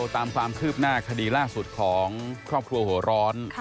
ตามความคืบหน้าคดีล่าสุดของครอบครัวหัวร้อน